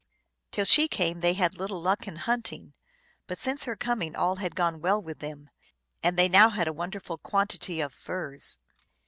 Till she came they had little luck in hunting, but since her coming all had gone well with them, and they now had a wonderful quantity of furs.